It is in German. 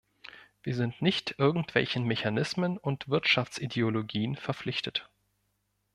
Wir sind nicht irgendwelchen Mechanismen und Wirtschaftsideologien verpflichtet.